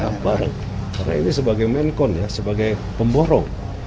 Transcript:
karena ini sebagai menkon ya sebagai pemborong